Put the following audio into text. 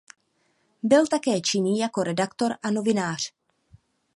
Byl také činný jako redaktor a novinář.